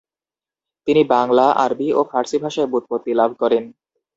তিনি বাংলা, আরবি ও ফার্সি ভাষায় ব্যুৎপত্তি লাভ করেন।